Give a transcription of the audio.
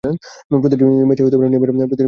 প্রতিটি ম্যাচেই নেইমার উন্নতি করছে।